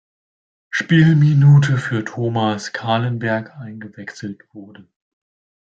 Spielminute für Thomas Kahlenberg eingewechselt wurde.